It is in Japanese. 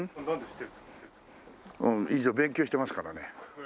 一応勉強してますからね。